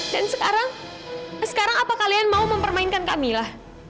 dan sekarang sekarang apa kalian mau mempermainkan kamila